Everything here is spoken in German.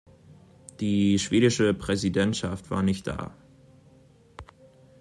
Die schwedische Präsidentschaft war nicht da.